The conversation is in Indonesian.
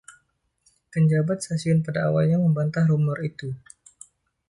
Pejabat stasiun pada awalnya membantah rumor itu.